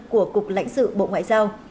của cục lãnh sự bộ ngoại giao